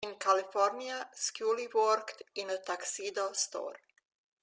In California, Scully worked in a tuxedo store.